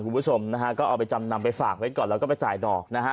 คุณผู้ชมนะฮะก็เอาไปจำนำไปฝากไว้ก่อนแล้วก็ไปจ่ายดอกนะฮะ